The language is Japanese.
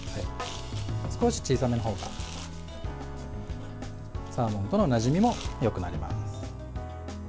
少し小さめのほうがサーモンとのなじみもよくなります。